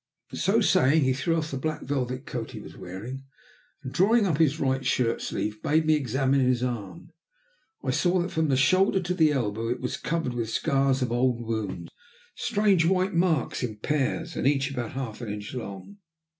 So saying, he threw off the black velvet coat he was wearing, and drawing up his right shirt sleeve, bade me examine his arm. I saw that from the shoulder to the elbow it was covered with the scars of old wounds, strange white marks, in pairs, and each about half an inch long.